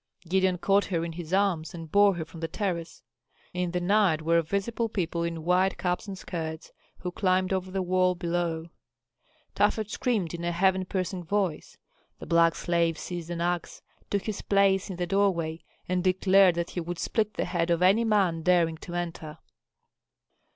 Gideon caught her in his arms and bore her from the terrace. In the night were visible people, in white caps and skirts, who climbed over the wall below. Tafet screamed in a heaven piercing voice, the black slave seized an axe, took his place in the doorway, and declared that he would split the head of any man daring to enter.